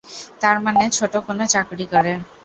তার মানে ছোট কোনো চাকরি করে।